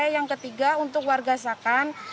yang ketiga untuk warga sakan